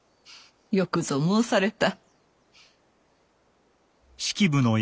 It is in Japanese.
よくぞ申された。